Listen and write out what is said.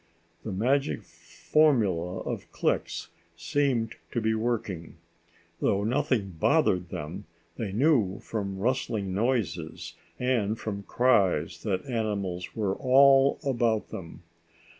The magic formula of clicks seemed to be working. Though nothing bothered them, they knew from rustling noises and from cries that animals were all about them.